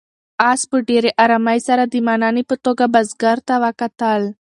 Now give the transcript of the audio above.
آس په ډېرې آرامۍ سره د مننې په توګه بزګر ته وکتل.